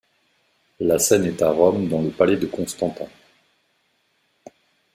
La scène est à Rome dans le palais de Constantin.